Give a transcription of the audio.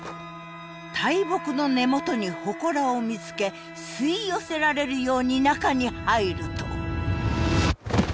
大木の根元に祠を見つけ吸い寄せられるように中に入ると。